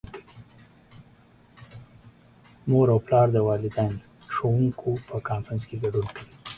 مور او پلار د والدین - ښوونکو په کنفرانس کې ګډون کوي.